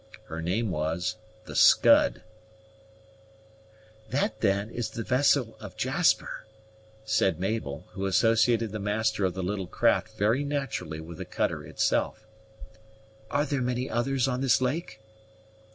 Her name was the Scud. "That, then, is the vessel of Jasper!" said Mabel, who associated the master of the little craft very naturally with the cutter itself. "Are there many others on this lake?"